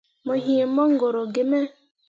Mo yee mongoro gi me.